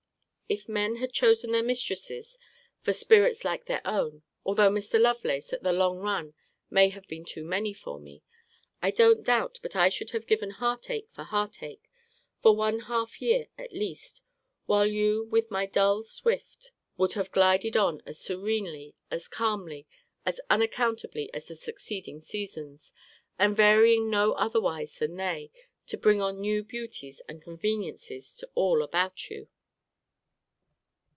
If men had chosen their mistresses for spirits like their own, although Mr. Lovelace, at the long run, may have been too many for me, I don't doubt but I should have given heart ach for heart ach, for one half year at least; while you, with my dull swift, would have glided on as serenely, as calmly, as unaccountably, as the succeeding seasons; and varying no otherwise than they, to bring on new beauties and conveniencies to all about you.